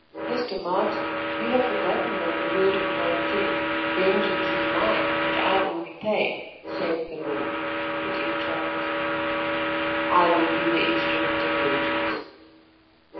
"Mr. Martin, you have forgotten that the word of God says, 'Vengeance is mine and I will repay, saith the Lord,'" put in Charles. "I will be the instrument of vengeance."